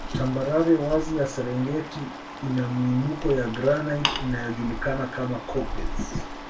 Tambarare wazi ya Serengeti ina miinuko ya granite inayojulikana kama koppes